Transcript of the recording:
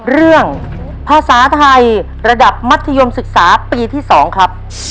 เรื่องภาษาไทยระดับมัธยมศึกษาปีที่๒ครับ